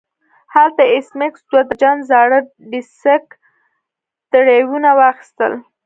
هلته ایس میکس دوه درجن زاړه ډیسک ډرایوونه واخیستل